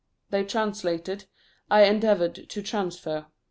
They translated; I endeavoured to transfer.